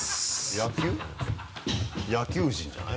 野球人じゃない？